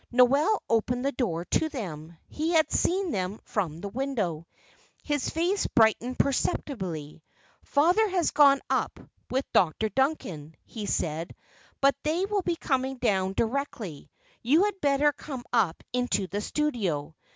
Noel opened the door to them; he had seen them from the window; his face brightened perceptibly. "Father has gone up with Dr. Duncan," he said; "but they will be coming down directly; you had better come up into the studio.